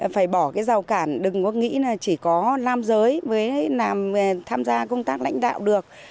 phải bỏ cái rào cản đừng có nghĩ là chỉ có nam giới với tham gia công tác lãnh đạo được